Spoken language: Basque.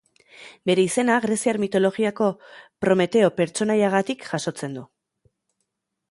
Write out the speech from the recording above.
Bere izena greziar mitologiako Prometeo pertsonaiagatik jasotzen du.